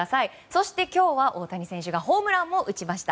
そして、今日は大谷選手がホームランを打ちました。